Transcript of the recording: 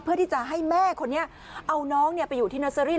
เพื่อที่จะให้แม่คนนี้เอาน้องไปอยู่ที่เนอร์เซอรี่